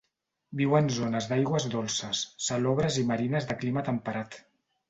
Viu en zones d'aigües dolces, salobres i marines de clima temperat.